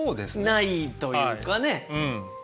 ないというかね。